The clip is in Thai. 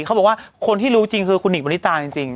เขาบอกว่าคนที่รู้จริงคือคุณหิงปณิตาจริง